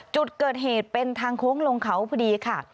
จุดเกิดเหตุเป็นทางโค้งลงเขาพอดีค่ะ